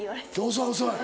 遅い遅い。